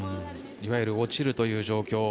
いわゆる落ちるという状況。